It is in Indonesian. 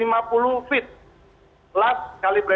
kali beratnya tinggi